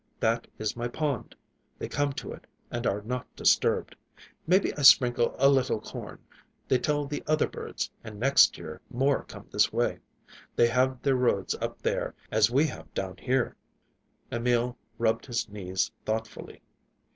That is my pond. They come to it and are not disturbed. Maybe I sprinkle a little corn. They tell the other birds, and next year more come this way. They have their roads up there, as we have down here." Emil rubbed his knees thoughtfully.